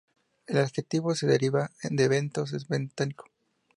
El adjetivo que deriva de bentos es bentónico.